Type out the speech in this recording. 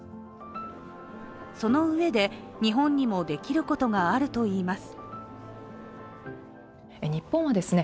そのうえで、日本にもできることがあると話します。